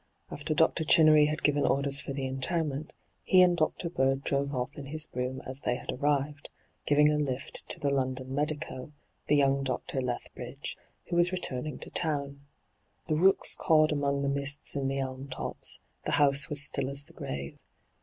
After Dr. Chinnery had given orders for the interment, he and Dr. Bird drove ofP in his brougham as they had arrived, giving a 'lift' to the London medico, the young Dr. Lethbridge, who was returning to town. The rooks cawed among the mists in the elm tops ; the house was still as the grave.